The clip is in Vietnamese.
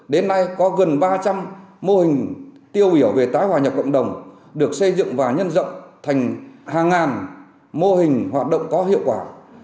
đến nay có gần ba trăm linh mô hình tiêu biểu về tái hòa nhập cộng đồng được xây dựng và nhân rộng thành hàng ngàn mô hình hoạt động có hiệu quả